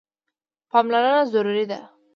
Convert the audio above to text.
پاملرنه ضروري ده.